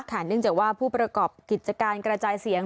เนื่องจากว่าผู้ประกอบกิจการกระจายเสียง